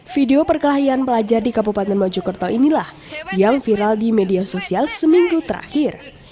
video perkelahian pelajar di kabupaten mojokerto inilah yang viral di media sosial seminggu terakhir